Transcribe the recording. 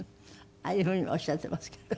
ああいうふうにおっしゃっていますけど。